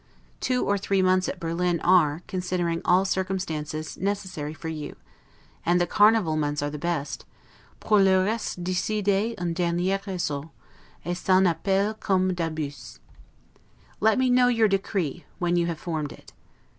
Two or three months at Berlin are, considering all circumstances, necessary for you; and the Carnival months are the best; 'pour le reste decidez en dernier ressort, et sans appel comme d'abus'. Let me know your decree, when you have formed it.